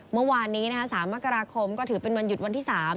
เมื่อวานนี้นะคะสามอากราคมก็ถือเป็นวันหยุดวันที่สาม